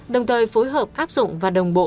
đồng thời phối hợp áp dụng và đồng bộ